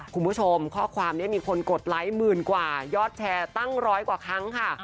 คุณผู้ชมข้อความนี้มีคนกดไลค์หมื่นกว่ายอดแชร์ตั้งร้อยกว่าครั้งค่ะ